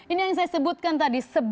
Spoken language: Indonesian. ini yang saya sebutkan tadi